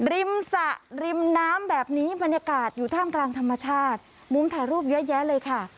สระริมน้ำแบบนี้บรรยากาศอยู่ท่ามกลางธรรมชาติมุมถ่ายรูปเยอะแยะเลยค่ะ